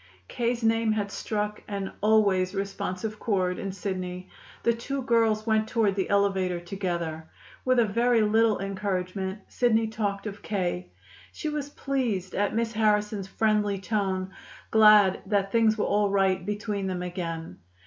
K.'s name had struck an always responsive chord in Sidney. The two girls went toward the elevator together. With a very little encouragement, Sidney talked of K. She was pleased at Miss Harrison's friendly tone, glad that things were all right between them again.